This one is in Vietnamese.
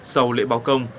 sau lễ báo công